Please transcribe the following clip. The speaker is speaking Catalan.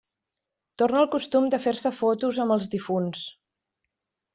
Torna el costum de fer-se fotos amb els difunts.